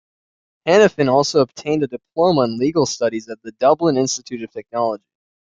Hanafin also obtained a diploma in legal studies at the Dublin Institute of Technology.